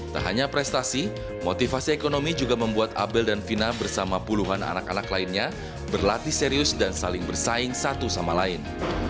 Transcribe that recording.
tak hanya prestasi motivasi ekonomi juga membuat abel dan vina bersama puluhan anak anak lainnya berlatih serius dan saling bersaing satu sama lain